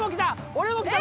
俺もきた！